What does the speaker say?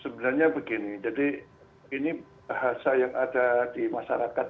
sebenarnya begini jadi ini bahasa yang ada di masyarakat